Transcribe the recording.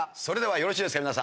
それではよろしいですか？